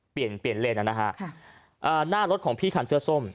เปลี่ยนเลนนะฮะค่ะหน้ารถของพี่คันเสื้อส้ม